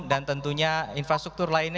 dan tentunya infrastruktur lainnya